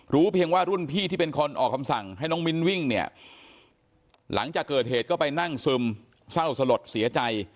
เพียงว่ารุ่นพี่ที่เป็นคนออกคำสั่งให้น้องมิ้นวิ่งเนี่ยหลังจากเกิดเหตุก็ไปนั่งซึมเศร้าสลดเสียใจ